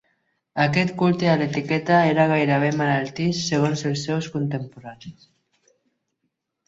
Aquest culte a l'etiqueta era gairebé malaltís segons els seus contemporanis.